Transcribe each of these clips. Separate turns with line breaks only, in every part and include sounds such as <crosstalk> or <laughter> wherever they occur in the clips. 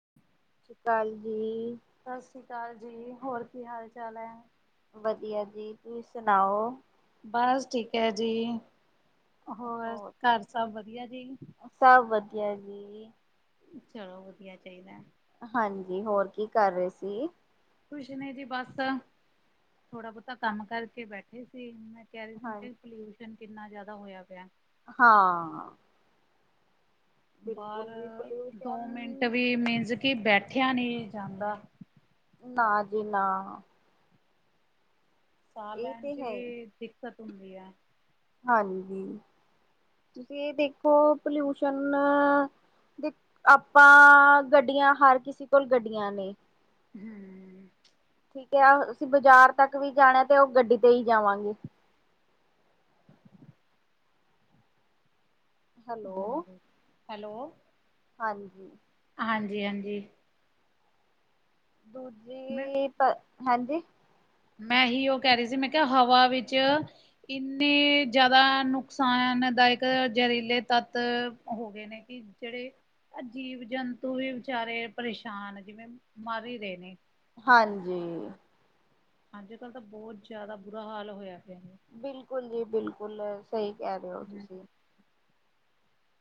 <inaudible>
ਅਕਾਲ ਜੀ।
ਸਸ ਸ਼੍ਰੀ ਅਕਾਲ ਜੀ। ਹੋਰ ਕੀ ਹਾਲ-ਚਾਲ ਐ?
ਵਧੀਆ ਜੀ, ਤੁਹੀਂ ਸੁਣਾਓ?
ਬਸ ਠੀਕ ਐ ਜੀ, ਹੋਰ ਘਰ ਸਭ ਵਧੀਆ ਜੀ।
ਸਭ ਵਧੀਆ ਜੀ।
ਚਲੋ, ਵਧੀਆ ਚਾਈਦਾ ਐ।
ਹਾਂਜੀ, ਹੋਰ ਕੀ ਕਰ ਰੇ ਸੀ।
ਕੁਛ ਨੀਂ ਜੀ ਬਸ। ਥੋੜਾ-ਬੋਤਾ ਕੰਮ ਕਰਕੇ ਬੈਠੇ ਸੀ, ਮੈਂ ਕੈਅ ਰੀ ਸੀ ਕਿ ਮੈਂ
ਹਾਂ,
ਕਿਆ ਪੋਲਿਊਸ਼ਨ ਕਿੰਨਾ ਜਿਆਦਾ ਹੋਇਆ ਪਿਆ।
ਹਾਂ।
ਬਾਰ
ਬਿਲਕੁਲ ਵੀ ਪੋਲਿਊਸ਼ਨ
ਦੋ ਮਿੰਟ ਵੀ, ਮੀਨਜ਼ ਕਿ ਬੈਠਿਆ ਨ੍ਹੀਂ ਜਾਂਦਾ।
ਨਾਂ ਜੀ ਨਾਂ।
ਸਾਅ
ਇਹ
ਲੈਣ
ਤੇ
ਚ
ਹੈ ਹੀ,
ਵੀ ਦਿੱਕਤ ਹੁੰਦੀ ਐ।
ਹਾਂਜੀ, ਤੁਸੀਂ ਦੇਖੋ ਪਲਿਊਸ਼ਨ ਦੇ ਆਪਾਂ, ਗੱਡੀਆਂ ਹਰ ਕਿਸੇ ਕੋਲ ਗੱਡੀਆਂ ਨੇਂ।
ਹਂ।
ਠੀਕ ਆ, ਅਸੀਂ ਬਾਜ਼ਾਰ ਤੱਕ ਵੀ ਜਾਣਾ ਤੇ ਓ ਗੱਡੀ ਤੇ ਹੀ ਜਾਵਾਂਗੇ। ਹੈਲੋ।
ਹਾਂਜੀ, ਹੈਲੋ।
ਹਾਂਜੀ।
ਹਾਂਜੀ, ਹਾਂਜੀ।
ਦੂਜੀੇ
ਮੈਂ
ਨਹੀਂ ਤ ਹਾਂਜੀ।
ਮੈਂ ਉਹ ਕਹਿ ਰਹੀ ਸੀ, ਮੈਂ ਕਿਹਾ ਹਵਾ ਵਿੱਚ ਕਿੰਨੇ ਜ਼ਿਆਦਾ ਨੁਕਸਾਨ ਦਾਇਕ ਜ਼ਹਿਰੀਲੇ ਤੱਤ, ਹੋ ਗਏ ਨੇ ਕਿ ਜਿਹੜੇ ਜੀਵ- ਜੰਤੂ ਵੀ ਵਿਚਾਰੇ ਪਰੇਸ਼ਾਨ, ਜਿਵੇਂ ਮਰ ਹੀ ਰਹੇ ਨੇ।
ਹਾਂਜੀ।
ਅੱਜ-ਕੱਲ ਤਾਂ ਬਹੁਤ ਜ਼ਿਆਦਾ, ਬੁਰਾ ਹਾਲ ਹੋਇਆ ਪਿਆ।
ਬਿਲਕੁਲ ਜੀ ਬਿਲਕੁਲ, ਸਹੀ ਕਹਿ ਰਹੇ ਹੋ
ਜੀ।
ਤੁਸੀਂ।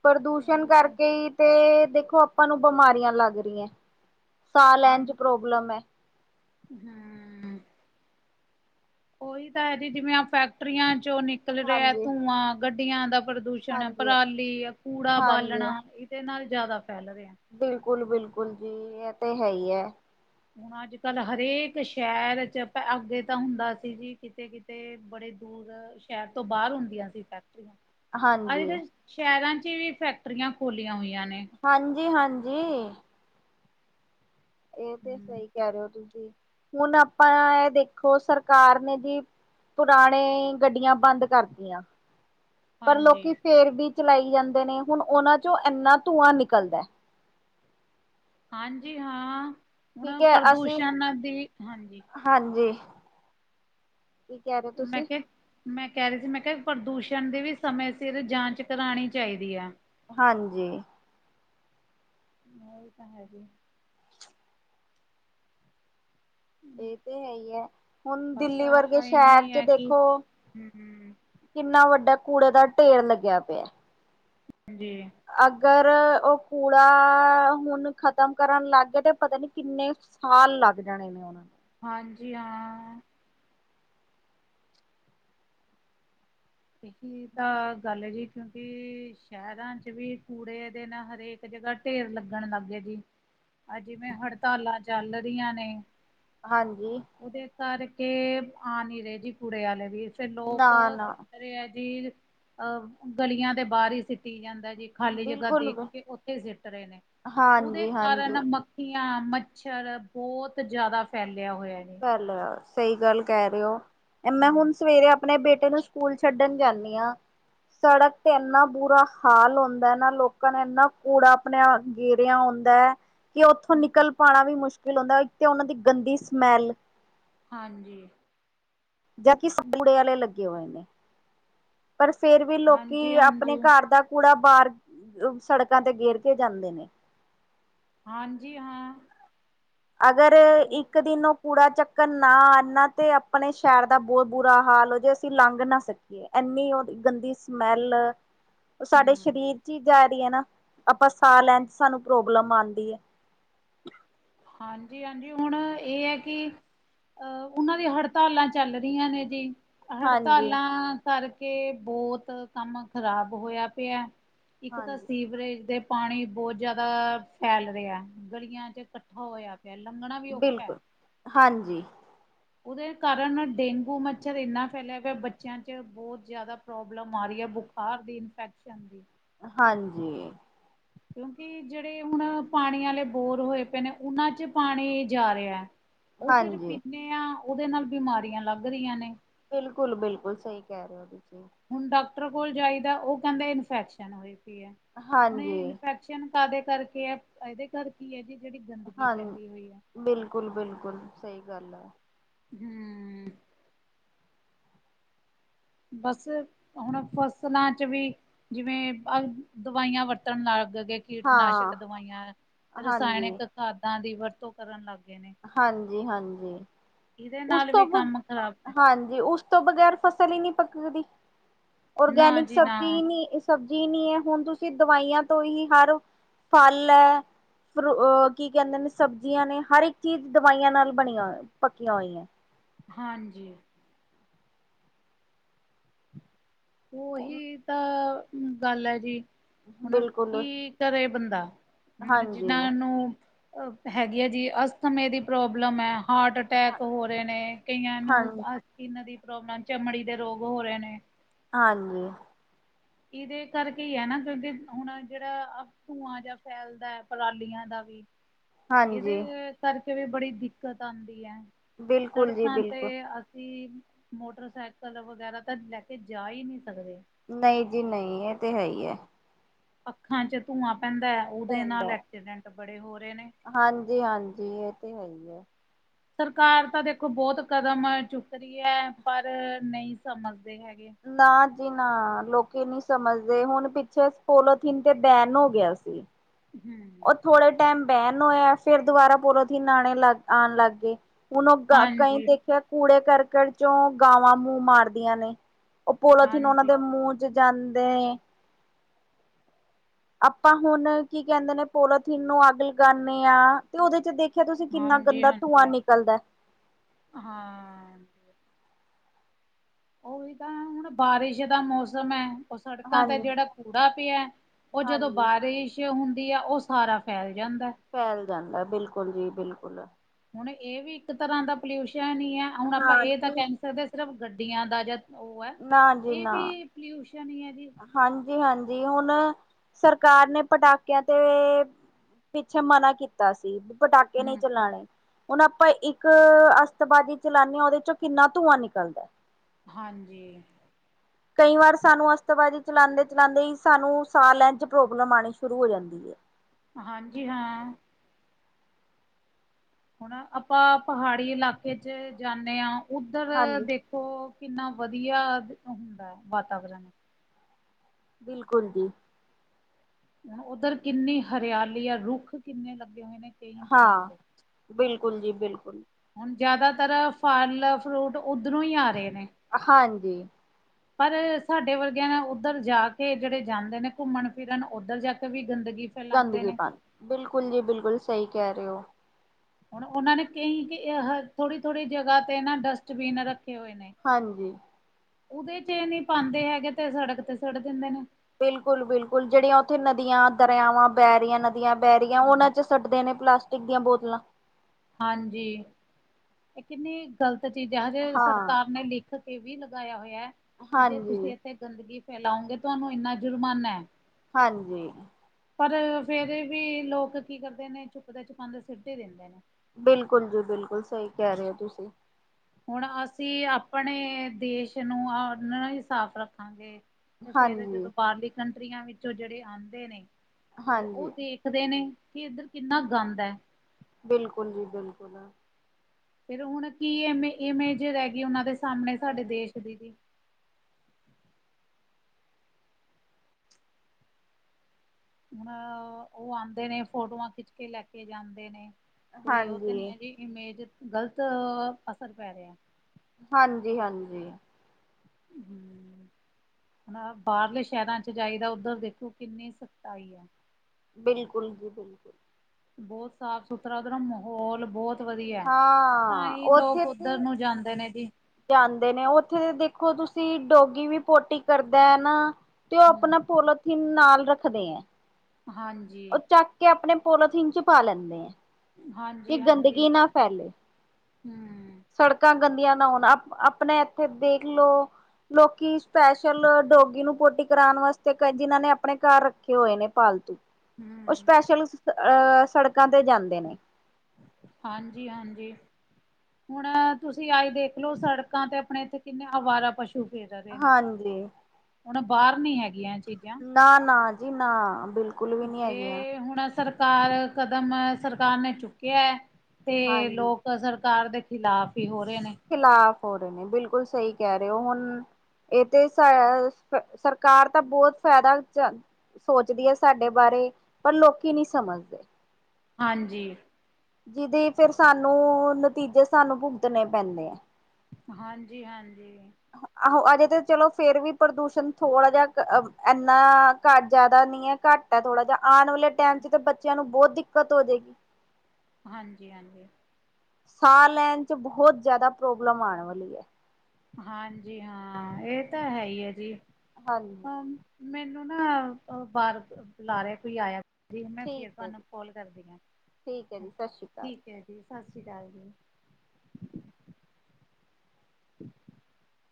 ਪ੍ਰਦੂਸ਼ਣ
ਉਹੀ ਤਾਂ
ਕਰਕੇ ਹੀ, ਤੇ ਦੇਖੋ ਆਪਾਂ ਨੂੰ ਬਿਮਾਰੀਆਂ ਲੱਗ ਰਹੀਆਂ। ਸਾਹ
ਹਾਂ
ਲੈਣ 'ਚ ਪ੍ਰੋਬਲਮ ਐ।
<unintelligible> ਉਹੀ ਤਾਂ ਹੈ ਜੀ, ਜਿਵੇਂ ਫੈਕਟਰੀਆਂ ਚੋਂ ਨਿ ਨਿਕਲ ਰਿਹਾ
ਹਾਂਜੀ
ਧੂੰਆਂ ਗੱਡੀਆਂ ਦਾ ਪ੍ਰਦੂਸ਼ਣ,
ਹਾਂਜੀ
ਪਰਾਲੀ, ਕੂੜਾ
ਹਾਂਜੀ
ਬਾਲਣਾ ਇਹ ਤੇ ਨਾਲ ਜ਼ਿਆਦਾ ਫੈਲ ਰਿਹਾ।
ਬਿਲਕੁਲ ਬਿਲਕੁਲ ਜੀ ਇਹ ਤੇ ਹੈ ਹੀ ਐ।
ਹੁਣ ਅੱਜ ਕੱਲ ਹਰੇਕ ਸ਼ਹਿਰ ਚ ਅੱਗੇ ਤਾਂ ਹੁੰਦਾ ਸੀ ਜੀ ਕਿਤੇ ਕਿਤੇ ਬੜੇ ਦੂਰ ਸ਼ਹਿਰ ਤੋਂ ਬਾਹਰ ਹੁੰਦੀਆਂ ਸੀ ਫੈਕਟਰੀਆਂ
ਹਾਂਜੀ
ਅੱਜ ਸ਼ਹਿਰਾਂ ਚ ਵੀ ਫੈਕਟਰੀਆਂ ਖੋਲੀਆਂ ਹੋਈਆਂ ਨੇ
ਹਾਂਜੀ-ਹਾਂਜੀ ਇਹ ਤੇ
ਹਮ
ਸਹੀ ਕਹਿ ਰਹੇ ਹੋ ਤੁਸੀਂ ਹੁਣ ਆਪਾਂ ਇਹ ਦੇਖੋ ਸਰਕਾਰ ਨੇ ਜੀ। ਪੁਰਾਣੇ ਗੱਡੀਆਂ ਬੰਦ ਕਰਤੀਆਂ। ਪਰ
ਹਾਂਜੀ
ਲੋਕੀ ਫਿਰ ਵੀ ਚਲਾਈ ਜਾਂਦੇ ਨੇ ਹੁਣ ਉਹਨਾ ਚੋ ਇੰਨਾ ਧੂਆਂ ਨਿਕਲਦਾ।
ਹਾਂਜੀ ਹਾਂ ਹੁਣ
ਠੀਕ ਹੈ ਅਸੀਂ
ਪ੍ਰਦੂਸ਼ਣ ਦੀ ਹਾਂਜੀ।
ਹਾਂਜੀ ਕੀ ਕਹਿ ਰਹੇ ਓ
ਮੈਂ
ਤੁਸੀਂ?
ਕਿਹਾ ਮੈਂ ਕਹਿ ਰਹੀ ਸੀ ਮੈਂ ਕਿਹਾ ਪ੍ਰਦੂਸ਼ਣ ਦੀ ਵੀ ਸਮੇਂ ਸਿਰ ਜਾਂਚ ਕਰਾਉਣੀ ਚਾਹੀਦੀ ਐ।
ਹਾਂਜੀ
ਇਹ ਤਾਂ ਹੈ ਜੀ।
ਇਹ ਤੇ ਹੈ ਹੀ ਹੈ ਹੁਣ
ਬਸ
ਦਿੱਲੀ ਵਰਗੇ ਸ਼ਹਿਰ
ਇਹੀ
ਚ
ਹੈ ਕਿ
ਦੇਖੋ
ਹਮ
ਕਿੰਨਾ ਵੱਡਾ ਕੂੜੇ ਦਾ ਢੇਰ ਲੱਗਿਆ ਪਿਆ।
ਹਾਂਜੀ
ਅਗਰ ਉਹ ਕੂੜਾ ਹੁਣ ਖਤਮ ਕਰਨ ਲੱਗ ਗਏ ਤੇ ਪਤਾ ਨੀ ਕਿੰਨੇ ਸਾਲ ਲੱਗ ਜਾਣੇ ਨੇ ਉਹਨਾਂ ਨੂੰ
ਹਾਂਜੀ ਹਾਂ ਇਹੀ ਤਾਂ ਗੱਲ ਏ ਜੀ ਕਿਉਂਕਿ ਸ਼ਹਿਰਾਂ ਚ ਵੀ ਕੂੜੇ ਦੇ ਨਾ ਹਰੇਕ ਇੱਕ ਜਗ੍ਹਾ ਢੇਰ ਲੱਗਣ ਲੱਗ ਗਏ ਜੀ ਆਹ ਜਿਵੇਂ ਹੜਤਾਲਾਂ ਚੱਲ ਰਹੀਆਂ ਨੇ
ਹਾਂਜੀ
ਉਹਦੇ ਕਰਕੇ ਆ ਨੀ ਰਹੇ ਜੀ ਕੂੜੇ ਵਾਲੇ ਵੀ ਫਿਰ ਲੋਕ
ਨਾ ਨਾ
ਘਰੇ ਇਹ ਚੀਜ਼ ਆ ਗਲੀਆਂ ਦੇ ਬਾਹਰ ਹੀ ਸਿ ਕਰੀ ਜਾਂਦਾ ਜੀ ਖਾਲੀ ਜਗ੍ਹਾ ਦੇਖ
ਬਿਲਕੁਲ
ਕੇ ਉੱਥੇ ਸਿੱਟ ਰਹੇ ਨੇ ਉਹਦੇ
ਹਾਂਜੀ
ਕਾਰਨ ਮ
ਹਾਂਜੀ
ਮੱਖੀਆਂ ਮੱਛਰ ਬਹੁਤ ਜਿਆਦਾ ਫੈਲਿਆ ਹੋਇਆ ਜੀ
ਚੱਲ ਸਹੀ ਗੱਲ ਕਹਿ ਰਹੇ ਹੋ। ਮੈਂ ਹੁਣ ਸਵੇਰੇ ਆਪਣੇ ਬੇਟੇ ਨੂੰ ਸਕੂਲ ਛੱਡਣ ਜਾਂਦੀ ਆ। ਸੜਕ ਤੇ ਇੰਨਾ ਬੁਰਾ ਹਾਲ ਹੁੰਦਾ ਏ ਨਾ ਲੋਕਾਂ ਨੇ ਇੰਨਾ ਕੂੜਾ ਆਪਣੇ ਆ ਗੇਰਿਆ ਹੁੰਦਾ। ਕਿ ਉੱਥੋਂ
ਹਮ
ਨਿਕਲ ਪਾਉਣਾ ਵੀ ਮੁਸ਼ਕਿਲ ਹੁੰਦਾ ਇੱਕ ਤੇ ਉਹਨਾਂ ਦੀ ਗੰਦੀ ਸਮੈਲ
ਹਾਂਜੀ
ਜਾਂ ਕਿਸ ਗੂੜੇ ਆਲੇ ਲੱਗੇ ਹੋਏ ਨੇ ਪਰ ਫੇਰ ਵੀ
ਹਾਂਜੀ
ਲੋਕੀ ਆਪਣੇ
ਹਾਂਜੀ
ਘਰ ਦਾ ਕੂੜਾ ਬਾਰ ਸੜਕਾਂ ਤੇ ਗੇਰ ਕੇ ਜਾਂਦੇ ਨੇ।
ਹਾਂਜੀ ਹਾਂ।
ਅਗਰ
ਉਹ
ਇੱਕ ਦਿਨ ਕੂੜਾ ਚੱਕਨ ਨਾ ਆਨ ਤੇ ਆਪਣੇ ਸ਼ੈਰ ਦਾ ਬੋ ਬੁਰਾ ਹਾਲ ਹੋ ਜੇ ਅਸੀਂ ਲੰਘ ਨਾ ਸਕੀਏ। ਐੰਨੀ ਓਦੀ ਗੰਦੀ ਸਮੈਲ ਸਾਡੇ
ਹੂੰ,
ਸਰੀਰ ਚ ਹੀ ਜਾਰੀ ਐ ਨਾ ਆਪਾਂ ਸਾਹ ਲੈਣ ਚ ਸਾਨੂੰ ਪ੍ਰੋਬਲਮ ਆਂਦੀ ਏ।
ਹਾਂਜੀ-ਹਾਂਜੀ ਹੁਣ ਏ ਐ ਕੀ ਅ ਉਨਾਂ ਦੀ ਹੜਤਾਲਾਂ ਚੱਲ ਰੀਆਂ ਨੇ ਜੀ।
ਹਾਂਜੀ
ਹੜਤਾਲਾਂ ਬੋਤ ਕੰਮ ਖ਼ਰਾਬ ਹੋਇਆ ਪਿਐ। ਇੱਕ ਤਾਂ
ਹਾਂਜੀ
ਸੀਵਰੇਜ ਦੇ ਪਾਣੀ ਬੋ ਜਾਦਾ ਫੈਲ ਰਿਆ ਗਲੀਆਂ ਚ ਹੋਇਆ ਪਿਆ ਲੰਘਣਾ ਵੀ ਔਖੈ।
ਬਿਲਕੁਲ ਹਾਂਜੀ।
ਉਦੇ ਕਾਰਨ ਡੇਂਗੂ ਮੱਛਰ ਇੰਨਾ ਫੈਲਿਆ ਪਿਆ ਬੱਚਿਆਂ ਚ ਬੋ ਜਾਦਾ ਪ੍ਰੋਬਲਮ ਆਰੀ ਆ ਬੁਖਾਰ ਦੀ ਇਨਫੈਕਸ਼ਨ ਦੀ।
ਹਾਂਜੀ।
ਕਿਉਂਕੀ ਕਿਉਂਕੀ ਜੇੜੇ ਹੁਣ ਪਾਣੀ ਆਲੇ ਬੋਰ ਹੋਏ ਪਏ ਨੇ ਉਨਾਂ ਚ ਪਾਣੀ ਜਾ ਰਿਐ ਓ ਫ਼ਿਰ
ਹਾਂਜੀ
ਪੀਂਣੇ ਆ ਉਦੇ ਨਾਲ਼ ਬਿਮਾਰੀਆਂ ਲੱਗ ਰੀਆਂ ਨੇ।
ਬਿਲਕੁਲ-ਬਿਲਕੁਲ ਸਈ ਕਹਿ ਰੇ ਓ ਜੀ ਤੁਸੀਂ।
ਹੁਣ ਡਾਕਟਰ ਕੋਲ਼ ਜਾਈਦਾ ਓ ਕੈਂਦੇ ਇਨਫੈਕਸ਼ਨ ਹੋਈ ਪਈ ਏ ਹੁਣ
ਹਾਂਜੀ
ਇਨਫੈਕ ਸ਼ਨ ਕਾਦੇ ਕਰਕੇ ਆ ਏਦੇ ਕਰਕੇ ਐ ਜੀ ਜੇੜੀ ਗੰਦਗੀ ਫੈਲੀ ਹੋਈ ਐ
ਬਿਲਕੁਲ-ਬਿਲਕੁਲ ਸਈ ਗੱਲ ਆ।
ਹੂੰ। ਬਸ ਹੁਣ ਫਸਲਾਂ ਚ ਵੀ ਜਿਵੇਂ ਅ ਦਵਾਈਆਂ ਵਰਤਣ ਲੱਗ ਗੇ ਕੀਟਨਾਸ਼ਕ
ਹਾਂ
ਦਵਾਈਆਂ,
ਹਾਂਜੀ
ਰਸਾਇਣਿਕ ਖਾਦਾਂ ਦੀ ਵਰਤੋਂ ਕਰਨ ਲੱਗ ਗਏ ਨੇ।
ਹਾਂਜੀ-ਹਾਂਜੀ।
ਇਹਦੇ
ਉਸ
ਨਾਲ
ਤੋਂ
ਵੀ
ਬਗ
ਕੰਮ ਖ਼ਰਾਬ ਹੈ।
ਹਾਂਜੀ ਉਸ ਤੋਂ ਵਗੈਰ ਫ਼ਸਲ ਈ ਨੀ ਪੱਕੀ ਦੀ।
ਨਾ
ਔਰਗੈਨਿਕ
ਜੀ ਨਾ
ਸਬਜੀ ਈ ਨੀ ਇਸ ਸਬਜ਼ੀ ਈ ਨੀ ਐ ਹੁਣ ਤੁਸੀਂ ਦਵਾਈਆਂ ਤੋਂ ਹੀ ਹਰ ਫ਼ਲ ਫਰੂ ਓ ਕੀ ਕੈਂਦੇ ਨੇ ਸਬਜ਼ੀਆਂ ਨੇ ਹਰ ਇੱਕ ਚੀਜ਼ ਦਵਾਈਆਂ ਨਾਲ਼ ਬਣੀਆਂ ਪੱਕੀਆਂ ਹੋਈਐ।
ਹਾਂਜੀ। ਓਹੀ ਤਾਂ ਗੱਲ ਐ ਜੀ ਹੁਣ
ਬਿਲਕੁਲ
ਕੀ ਕਰੇਂ ਬੰਦਾ ਹੁਣ
ਹਾਂਜੀ
ਜਿਨ੍ਹਾਂ ਨੂੰ ਆ ਹੈਗੀ ਆ ਜੀ ਅਸਥਮੇ ਦੀ ਪ੍ਰੋਬਲਮ ਐ ਹਾਰਟ ਅਟੈਕ ਹੋ ਰੇ ਨੇ ਕਈਆਂ
ਹਾਂ
ਨੂੰ ਆ ਸਕੀਨ ਦੀ ਪ੍ਰੋਬਲਮ, ਚਮੜੀ ਦੇ ਰੋਗ ਹੋ ਰੇ ਨੇ
ਹਾਂਜੀ।
ਇਦੇ ਕਰਕੇ ਈ ਐ ਨਾ ਕਿਉਂਕੀ ਹੁਣ ਜੇੜਾ ਧੂੰਆਂ ਜਾ ਫੈਲਦੈ ਪਰਾਲੀਆਂ ਦਾ ਵੀ ਏਦੇ
ਹਾਂਜੀ
ਕਰਕੇ ਵੀ ਬੜੀ ਦਿੱਕਤ ਆਂਦੀ ਐ।
ਬਿਲਕੁਲ ਜੀ
ਸੜਕਾਂ
ਬਿਲਕੁਲ
ਤੇ ਅੱ ਤੁਸੀਂ ਮੋਟਰਸਾਈਕਲ ਵਗੈਰਾ ਤਾਂ ਲੈ ਕੇ ਜਾ ਈ ਨੀ ਸਕਦੇ।
ਨਈ ਜੀ ਨਈ ਏ ਤੇ ਹੈ ਈ ਐ।
ਅੱਖਾਂ ਚ ਧੂੰਆਂ ਪੈਂਦਾ ਐ ਉਹਦੇ ਨਾਲ਼
ਪੈਂਦਾ
ਐਕਸੀਡੈਂਟ ਬੜੇ ਹੋ ਰਹੇ ਨੇ।
ਹਾਂਜੀ ਹਾਂਜੀ ਇਹ ਤੇ ਹੈ ਈ ਹੈ।
ਸਰਕਾਰ ਤਾਂ ਦੇਖੋਂ ਬਹੁਤ ਕਦਮ ਚੁੱਕ ਰਹੀ ਐ ਪਰ ਨਹੀਂ ਸਮਝਦੇ ਹੈਗੇ
ਨਾ ਜੀ ਨਾ ਲੋਕੀਂ ਨੀ ਸਮਝਦੇ ਹੁਣ ਪਿੱਛੇ ਪੋਲੋਥੀਨ ਤੇ ਬੈਨ ਹੋ ਗਿਆ ਸੀ
ਹੂਮ
ਥੋੜ੍ਹੇ ਟੈਮ ਬੈਨ ਹੋਇਆਂ ਫ਼ੇਰ ਦੁਬਾਰਾ ਪੋਲੋਥੀਨ ਆਣਨੇ ਲੱਗ ਆਣ ਲੱਗ ਗੇ ਹੁਣ ਓ ਕਈ
ਹਾਂਜੀ
ਦੇਖਿਆਂ ਕੂੜੇ ਕਰਕਟ ਚੋਂ ਗਾਵਾਂ ਮੂੰਹ ਮਾਰਦੀਆਂ ਨੇ ਉਹ ਪੋਲੋਥੀਨ ਉਹਨਾਂ
ਹਾਂਜੀ
ਦੇ ਮੂੰਹ ਚ ਜਾਂਦੇ ਨੇ ਆਪਾਂ ਹੁਣ ਕੀ ਕਹਿੰਦੇ ਨੇ ਪੋਲੋਥੀਨ ਨੂੰ ਅੱਗ ਲਗਾਨੇ ਆ ਤੇ ਉਹਦੇ ਚ ਦੇਖ ਦੇਖਿਆਂ ਤੁਸੀਂ ਕਿੰਨਾ
ਹਾਂਜੀ
ਗੰਦਾ ਧੂੰਆਂ
ਹਾਂਜੀ
ਨਿਕਲਦਾ
ਹਾਂ ਆਆ। ਉਹੀ ਤਾਂ ਹੁਣ ਬਾਰਿਸ਼ ਦਾ ਮੌਸਮ ਐ ਉਹ ਸੜਕਾਂ ਤੇ
ਹਾਂਜੀ
ਜਿਹੜਾ ਕੂੜਾ ਪਿਆ ਉਹ ਜਦੋਂ
ਹਾਂਜੀ
ਬਾਰਿਸ਼ ਹੁੰਦੀ ਆ ਉਹ ਸਾਰਾ ਫੈਲ ਜਾਂਦਾ।
ਫੈਲ ਜਾਂਦਾ ਬਿਲਕੁਲ ਜੀ ਬਿਲਕੁਲ।
ਹੁਣ ਇਹ ਵੀ ਇੱਕ ਤਰ੍ਹਾਂ ਦਾ ਪੋਲਿਊਸ਼ਨ ਈ ਐ ਹੁਣ ਆਪਾਂ ਇਹ ਤਾਂ
ਹਾਂਜੀ
ਕਹਿ ਸਕਦੇ ਹਾਂ ਸਿਰਫ਼ ਗੱਡੀਆਂ ਦਾ ਜਾਂ ਓ ਐ
ਨਾ ਜੀ
ਇਹ
ਨਾ
ਵੀ ਪੋਲਿਊਸ਼ਨ ਈ ਐ ਜੀ
ਹਾਂਜੀ ਹਾਂਜੀ ਹੁਣ ਸਰਕਾਰ ਨੇ ਪਟਾਕਿਆਂ ਤੇ ਏ ਪਿੱਛੇ ਮਨਾਂ ਕੀਤਾ ਸੀ ਵੀ ਪਟਾਕੇ ਨਹੀਂ
ਹਮ
ਚਲਾਣੇ ਹੁਣ ਆਪਾਂ ਇੱਕ ਅਸਤਬਾਜ਼ੀ ਚਲਾਨੇ ਆ ਉਹਦੇ ਚੋਂ ਕਿੰਨਾ ਧੂੰਆਂ ਨਿਕਲਦਾ
ਹਾਂਜੀ
ਕਈ ਵਾਰ ਸਾਨੂੰ ਅਸਤਬਾਜ਼ੀ ਚਲਾਦੇ ਚਲਾਦੇ ਸਾਨੂੰ ਸਾਹ ਲੈਣ ਚ ਪ੍ਰੋਬਲਮ ਆਉਣੀ ਸ਼ੁਰੂ ਹੋ ਜਾਂਦੀ ਏ।
ਹਾਂਜੀ ਹਾਂ ਹੁਣ ਆਪਾਂ ਪਹਾੜੀ ਇਲਾਕੇ ਚ ਜਾਂਦੇ ਹਾਂ ਉੱਧਰ
ਹਾਂਜੀ
ਦੇਖ ਖੋ ਉਹ ਕਿੰਨਾ ਵਧੀਆ ਹੁੰਦਾ ਹੈ ਵਾਤਾਵਰਨ
ਬਿਲਕੁਲ ਜੀ।
ਹੁਣ ਉੱਧਰ ਕਿੰਨੀ ਹਰਿਆਲੀ ਐ ਰੁੱਖ ਕਿੰਨੇ ਲੱਗੇ ਹੋਏ ਨੇ ਕਈ ਤਰ੍ਹਾਂ
ਹਾਂ
ਦੇ
ਬਿਲਕੁਲ ਜੀ ਬਿਲਕੁਲ।
ਹੁਣ ਜਿਆਦਾਤਰ ਫਲ ਫਰੂਟ ਉੱਧਰੋਂ ਈ ਆ ਰਹੇ ਨੇ।
ਹਾਂਜੀ
<inaudible> ਪਰ ਸਾਡੇ ਵਰਗਿਆਂ ਨੇ ਉੱਧਰ ਜਾ ਕੇ ਜਿਹੜੇ ਜਾਂਦੇ ਨੇ ਘੁੰਮਣ ਫਿਰਨ ਉੱਧਰ ਜਾ ਕੇ ਵੀ ਗੰਦਗੀ ਫੈਲਾਉਂਦੇ
ਗੰਦਗੀ
ਨੇ
ਪਾਣੀ ਬਿਲਕੁਲ ਜੀ ਬਿਲਕੁਲ ਸਹੀ ਕਹਿ ਰਹੇ ਓ।
ਹੁਣ ਉਹਨਾਂ ਨੇ ਕਹੀ ਕਿ ਥੋੜੀ ਥੋੜੀ ਜਗ੍ਹਾ ਤੇ ਨਾ ਡਸਟਬਿਨ ਰੱਖੇ ਹੋਏ ਨੇ
ਹਾਂਜੀ
ਉਹਦੇ ਚ ਨੀ ਪਾਉਂਦੇ ਹੈਗੇ ਤੇ ਸੜਕ ਤੇ ਸੁੜ ਦਿੰਦੇ ਨੇ
ਬਿਲਕੁਲ ਬਿਲਕੁਲ ਜਿਹੜੀਆਂ ਉੱਥੇ ਨਦੀਆਂ ਦਰਿਆਵਾਂ ਬਹਿ ਰਹੀਆਂ ਨਦੀਆਂ ਬਹਿ ਰਹੀਆਂ ਉਹਨਾਂ ਚ ਸੱਟਦੇ ਨੇ ਪਲਾਸਟਿਕ ਦੀਆਂ ਬੋਤਲਾਂ।
ਹਾਂਜੀ ਇਹ ਕਿੰਨੀ ਗ਼ਲਤ ਚੀਜ਼ ਐ ਹਜੇ
ਹਾਂ
ਸਰਕਾਰ ਨੇ ਲਿਖ ਕੇ ਵੀ ਲਗਾਇਆ ਹੋਇਆ ਕਿ ਜੇ
ਹਾਂਜੀ
ਤੁਸੀਂ ਥੇ ਗੰਦਗੀ ਫੈਲਾਉਂਗੇ ਤੁਹਾਨੂੰ ਇੰਨਾ ਜੁਰਮਾਨਾ ਐ।
ਹਾਂਜੀ
ਪਰ ਫੇਰ ਵੀ ਲੋਕ ਕੀ ਕਰਦੇ ਨੇ ਚੁਪਦੇ ਚੁਪਾਦੇ ਸਿੱਟ ਈ ਦਿੰਦੇ ਨੇ।
ਬਿਲਕੁਲ ਜੀ ਬਿਲਕੁਲ ਸਹੀ ਕਹਿ ਰਹੇ ਓ ਤੁਸੀਂ।
ਹੁਣ ਅਸੀਂ ਆਪਣੇ ਦੇਸ਼ ਨੂੰ ਉਹਨੂੰ ਹੀ ਸਾਫ਼ ਰੱਖਾਂਗੇ। ਤੇ ਫੇਰ
ਹਾਂਜੀ
ਜਦੋਂ ਬਾਹਰਲੀ ਕੰਟਰੀਆਂ ਵਿੱਚੋਂ ਜਿਹੜੇ ਆਉਂਦੇ ਨੇ ਤੇ ਉਹ
ਹਾਂਜੀ
ਦੇਖ ਸਕਦੇ ਨੇ ਕਿ ਇੱਧਰ ਕਿੰਨਾ ਗਾਂਦ ਐ।
ਬਿਲਕੁਲ ਜੀ ਬਿਲਕੁਲ।
ਫਿਰ ਹੁਣ ਕੀ ਏਮੇ ਇਮੇਜ ਰੇਹ ਗਈ ਉਹਨਾਂ ਦੇ ਸਾਹਮਣੇ ਸਾਡੇ ਦੇਸ਼ ਦੀ ਵੀ। ਹੁਣ ਉਹ ਆਂਦੇ ਨੇ ਫੋਟੋਆਂ ਖਿੱਚ ਕੇ ਲੈ ਕੇ ਜਾਂਦੇ ਨੇ, ਕੋਈ ਉਹ ਤੇ ਨੀ
ਹਾਂਜੀ
ਐ ਜੀ ਇਮੇਜ ਗ਼ਲਤ ਅਸਰ ਪੈ ਰੇਹਾ।
ਹਾਂਜੀ-ਹਾਂਜੀ।
ਹਮ। ਹੁਣ ਬਾਹਰਲੇ ਸ਼ੇਹਰਾਂ ਚ ਜਾਈਦਾ ਉੱਧਰ ਦੇਖੋ ਕਿੰਨੀ ਸਖਤਾਈ ਐ।
ਬਿਲਕੁਲ ਜੀ ਬਿਲਕੁਲ।
ਬੋਹਤ ਸਾਫ਼ ਸੁਥਰਾ ਉਦੇਦਾ ਮਹੌਲ ਬੋਹਤ ਵਧੀਆ ਐ, ਤਾਂ
ਹਾਂ
ਹੀ ਲੋਕ
ਉੱਥੇ ਤੇ
ਉੱਧਰ ਨੂੰ ਜਾਂਦੇ ਨੇ ਜੀ।
ਜਾਂਦੇ ਨੇ ਉੱਥੇ ਤੇ ਦੇਖੋ ਤੁਸੀਂ ਡੋਗੀ ਵੀ ਪੋਟੀ ਕਰਦਾ ਐ ਨਾ ਤੇ ਉਹ ਅਪਣਾ ਪੋਲੋਥੀਨ ਨਾਲ ਰੱਖਦੇ ਐ।
ਹਾਨ
ਉਹ ਚੱਕ ਕੇ ਅਪਣੇ ਪੋਲੋਥੀਨ ਚ ਪਾ ਲੈਂਦੇ ਐ।
ਹਾਂਜੀ-ਹਾਂਜੀ, ਹਮ।
ਸੜਕਾਂ ਗੰਦੀਆਂ ਨਾ ਹੋਣ, ਅਪ ਅਪਣੇ ਐਥੇ ਦੇਖ ਲਓ ਲੋਕੀ ਸਪੈਸ਼ਲ ਡੋਗੀ ਨੂੰ ਪੋਟੀ ਕਰਾਣ ਵਾਸਤੇ ਕ ਜਿਨਾਂ ਨੇ ਅਪਣੇ ਕਾਰ ਰੱਖੇ ਹੋਏ ਨੇ ਪਾਲਤੂ।
ਹਮ।
ਉਹ ਸਪੈਸ਼ਲ ਅਹ ਸੜਕਾਂ ਤੇ ਜਾਂਦੇ ਨੇ।
ਹਾਂਜੀ-ਹਾਂਜੀ। ਹੁਣ ਤੁਸੀਂ ਆਈ ਦੇਖ ਲੋ ਸੜਕਾਂ ਤੇ ਅਪਣੇ ਏਥੇ ਕਿੰਨੇ ਅਵਾਰਾ ਪਸ਼ੂ ਤੁਕੇ ਰਰੇ ਨੇ
ਹਾਂਜੀ
<inaudible> ਹੁਣ ਬਾਹਰ ਨੀ ਹੈਗੀਆਂ ਏਹ ਚੀਜ਼ਾਂ।
ਨਾ-ਨਾ ਜੀ ਨਾ ਬਿਲ
ਜੇ ਹੁਣ ਸਰਕਾਰ ਕਦਮ ਸਰਕਾਰ ਨੇ ਚੁੱਕੇਆ ਐ ਤੇ
ਹਾਂਜੀ।
ਲੋਕ ਸਰਕਾਰ ਦੇ ਖਿਲਾਫ ਹੀ ਹੋ ਰਏ ਨੇ।
ਖਿਲਾਫ਼ ਹੋ ਰਏ ਨੇ, ਬਿਲਕੁਲ ਸਈ ਕੇਹ ਰਏ ਹੋ ਹੁਣ ਏਹ ਤੇ ਸਾਅਸ ਸ ਸਰਕਾਰ ਤਾਂ ਬੋਹਤ ਫਾਏਦਾ ਚ ਸੋਚਦੀ ਐ ਸਾਡੇ ਬਾਰੇ ਪਰ ਲੋਕੀ ਨਈ ਸਮਝਦੇ।
ਹਾਂਜੀ।
ਜਿਹਦੇ ਫਿਰ ਸਾਨੂੰ ਨਤੀਜੇ ਸਾਨੂੰ ਭੁਗਤਣੇ ਪੈਂਦੇ ਏ।
ਹਾਂਜੀ-ਹਾਂਜੀ।
ਆਹੋ ਅਜੇ ਤੇ ਚਲੋ ਫੇਰ ਵੀ ਪ੍ਰਦੂਸ਼ਣ ਥੋੜ੍ਹਾ ਜੇਹਾ ਅ ਐਨਾ ਘੱਟ ਜਾਏਦਾ ਨਈ ਐ ਘੱਟ ਥੋੜਾ ਜਾ ਆਣ ਵਾਲੇ ਟੈਮ ਚ ਤੇ ਬੱਚੇਆਂ ਨੂੰ ਬੋਹਤ ਦਿੱਕਤ ਹੋ ਜੇਗੀ।
ਹਾਂਜੀ-ਹਾਂਜੀ।
ਸਾਹ ਲੈਣ ਚ ਬੋਹੋਤ ਜਾਅਦਾ ਪ੍ਰੋਬਲਮ ਆਣ ਵਾਲੀ ਏ।
ਹਾਂਜੀ ਹਾਂ ਏਹ ਤਾਂ ਹੈ ਈ ਹੈ ਜੀ
ਹਾਂਜੀ
ਹਨ ਮੈਨੂੰ ਨਾ ਅ ਬਾਹਰ ਬੁਲਾ ਰੇਹਾ ਕੋਈ ਆਏਆ। ਜੀ ਮੈਂ ਫਿਰ
ਠੀਕ ਹੈ
ਤੁਆਨੂੰ
ਜੀ
ਕੌਲ ਕਰਦੀ ਆਂ,
ਠੀਕ ਹੈ ਜੀ ਸਤਿ ਸ਼੍ਰੀ ਅਕਾਲ
ਠੀਕ ਐ ਜੀ, ਸਤਿ ਸ਼੍ਰੀ ਅਕਾਲ ਜੀ। <inaudible>